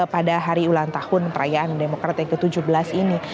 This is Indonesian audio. pada hari ulang tahun perayaan demokrat yang ke tujuh belas ini